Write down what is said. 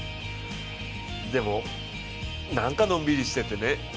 でも、何かのんびりしててね。